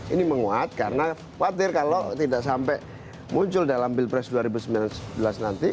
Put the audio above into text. ini menguat karena khawatir kalau tidak sampai muncul dalam pilpres dua ribu sembilan belas nanti